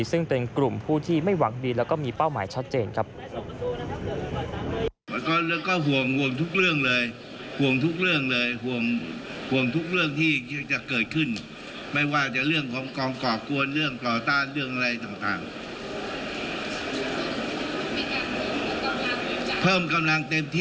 ซึ่งเป็นกลุ่มผู้ที่ไม่หวังดีแล้วก็มีเป้าหมายชัดเจนครับ